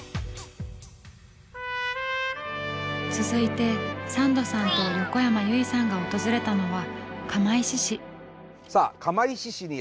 続いてサンドさんと横山由依さんが訪れたのは釜石市。